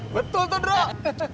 betul tuh drok